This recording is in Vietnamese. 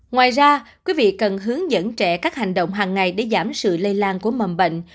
ngoài ra quý vị cần hướng dẫn trẻ các hành động hàng ngày để giảm sự lây lan của mầm bệnh